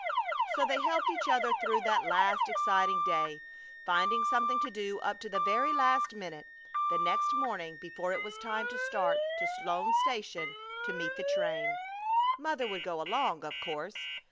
So they helped each other through that last exciting day, finding something to do up to the very last minute the next morning before it was time to start to Sloan's Station to meet the train. Mother would go along, of course.